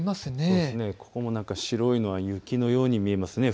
ここも白いのが雪のように見えます。